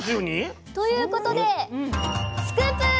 ということでスクープ！